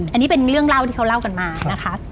อันนี้เป็นเรื่องเล่าที่เขาเล่ากันมานะคะ